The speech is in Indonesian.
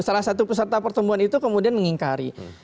salah satu peserta pertemuan itu kemudian mengingkari